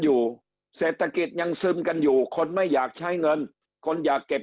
อยู่เศรษฐกิจยังซึมกันอยู่คนไม่อยากใช้เงินคนอยากเก็บ